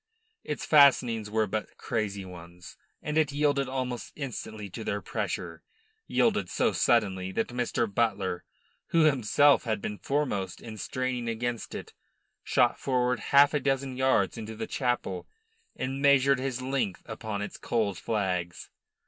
Its fastenings were but crazy ones, and it yielded almost instantly to their pressure yielded so suddenly that Mr. Butler, who himself had been foremost in straining against it, shot forward half a dozen yards into the chapel and measured his length upon its cold flags.